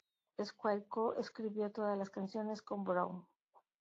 Squire co-escribió todas las canciones con Brown.